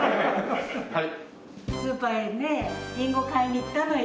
はい。